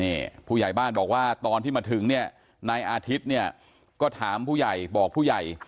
นี่ผู้ใหญ่บ้านบอกว่าตอนที่มาถึงเนี่ยนายอาทิตย์เนี่ยก็ถามผู้ใหญ่บอกผู้ใหญ่